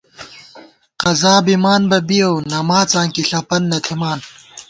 قضا بِمان بہ بِیَؤ نماڅاں کی ݪَپَن نہ تھِمان